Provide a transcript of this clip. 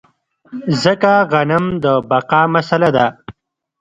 ځکه غنم د بقا مسئله ده.